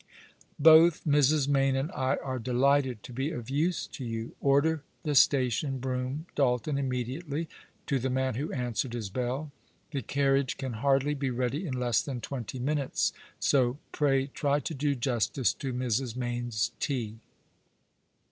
Both Mrs. Mayne and I are delighted to be of use to you. Order the station brougham, Dalton, immedi ately," to the man who answered his bell. " The carriage can hardly be ready in less than twenty minutes, so pray try to do justice to Mrs. Mayne's tea."